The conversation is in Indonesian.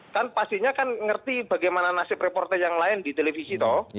kan pastinya kan ngerti bagaimana nasib reportnya yang lain di televisi tuh